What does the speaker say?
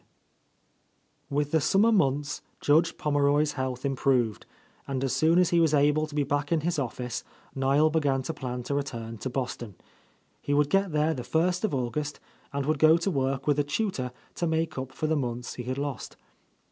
IX W ITH the summer months Judge Pom meroy's health improved, and as soon as he was able to be back in his office, Niel began to plan to return to Boston. He would get there the first of August and would go to work with a tutor to make up for the months he had lost.